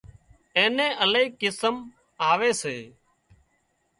اين نين الاهي قسم آوي سي